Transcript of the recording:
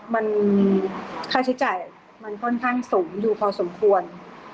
มันค่าใช้จ่ายมันค่อนข้างสูงอยู่พอสมควร